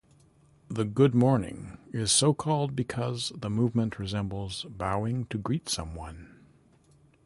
The good-morning is so called because the movement resembles bowing to greet someone.